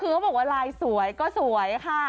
คือเขาบอกว่าลายสวยก็สวยค่ะ